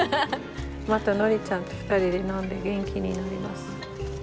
またノリちゃんと２人で飲んで元気になります。